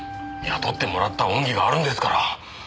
雇ってもらった恩義があるんですから。